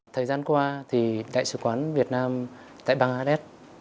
thời gian qua thì đại sứ quán việt nam tại bangladesh